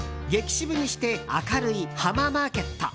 シブにして明るい浜マーケット。